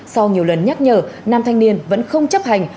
sau nhiều lần nhắc nhở nam thanh niên vẫn không chấp hành